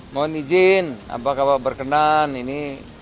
mohon izin apakah pak berkenan ini